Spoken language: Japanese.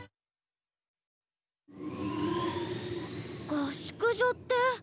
合宿所って。